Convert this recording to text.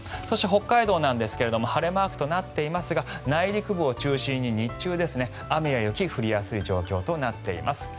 そして、北海道なんですが晴れマークとなっていますが内陸部を中心に日中、雨や雪が降りやすい状況となっています。